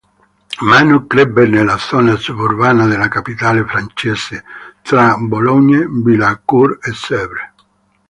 Manu crebbe nella zona suburbana della capitale francese, tra Boulogne-Billancourt e Sèvres.